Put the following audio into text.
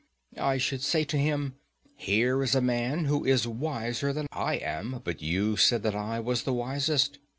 I should say to him, "Here is a man who is wiser than I am; but you said that I was the wisest."